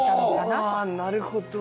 なるほど！